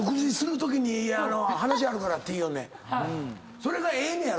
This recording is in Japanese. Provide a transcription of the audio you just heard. それがええねやろ？